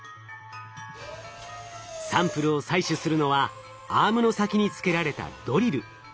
サンプルを採取するのはアームの先に付けられたドリル。